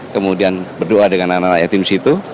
kemudian berdoa dengan anak anak yatim di situ